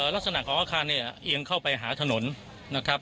ลักษณะของอาคารเนี่ยเอียงเข้าไปหาถนนนะครับ